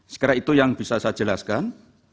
sekira itu yang bisa saya jelaskan